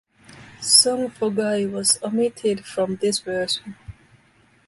Song for Guy was omitted from this version.